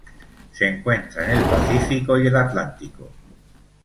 Se encuentra en el Pacífico y el Atlántico.